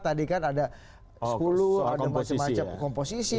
tadi kan ada sepuluh ada macam macam komposisi